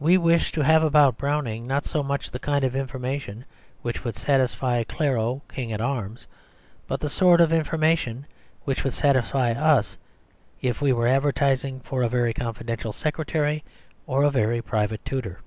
We wish to have about Browning not so much the kind of information which would satisfy Clarencieux King at Arms, but the sort of information which would satisfy us, if we were advertising for a very confidential secretary, or a very private tutor.